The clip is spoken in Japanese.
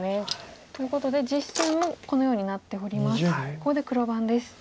ここで黒番です。